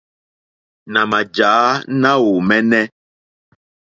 Nà mà jǎ náòmɛ́nɛ́.